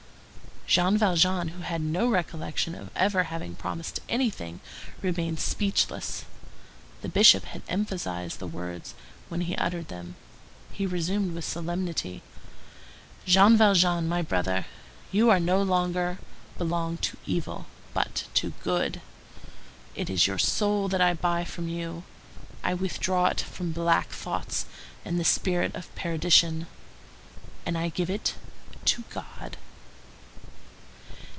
Jean Valjean, who had no recollection of ever having promised anything, remained speechless. The Bishop had emphasized the words when he uttered them. He resumed with solemnity:— "Jean Valjean, my brother, you no longer belong to evil, but to good. It is your soul that I buy from you; I withdraw it from black thoughts and the spirit of perdition, and I give it to God."